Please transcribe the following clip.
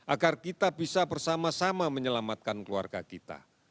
agar kita bisa bersama sama menyelamatkan keluarga kita